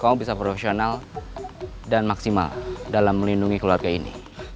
kamu bisa profesional dan maksimal dalam melindungi keluarga ini